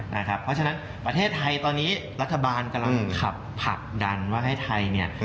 เพราะฉะนั้นประเทศไทยตอนนี้รัฐบาลกำลังขับผลักดันว่าให้ไทยเนี่ย